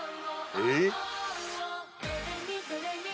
えっ？